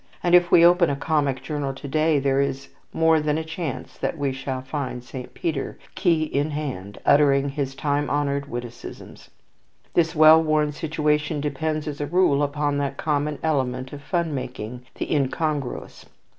And if we open a comic journal to day, there is more than a chance that we shall find Saint Peter, key in hand, uttering his time honoured witticisms. This well worn situation depends, as a rule, upon that common element of fun making, the incongruous.